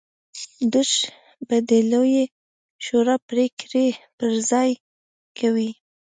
دوج به د لویې شورا پرېکړې پر ځای کوي.